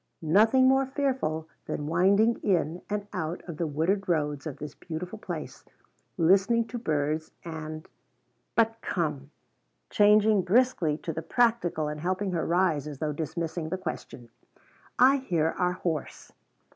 Nothing more fearful than winding in and out of the wooded roads of this beautiful place listening to birds and but come " changing briskly to the practical and helping her rise as though dismissing the question "I hear our horse."